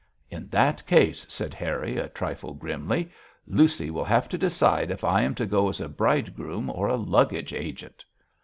'In that case,' said Harry, a trifle grimly, 'Lucy will have to decide if I am to go as a bridegroom or a luggage agent.'